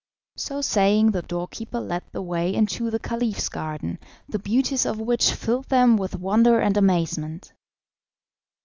So saying the doorkeeper led the way into the Caliph's garden, the beauties of which filled them with wonder and amazement.